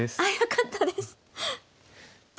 あっよかったです。